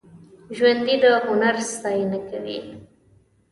ژوندي د هنر ستاینه کوي